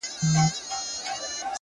نن شپه له رويا سره خبرې وکړه~